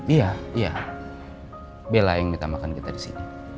iya iya bella yang minta makan kita disini